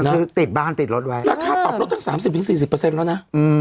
คือติดบ้านติดรถไว้ราคาปรับรถตั้ง๓๐๔๐แล้วนะ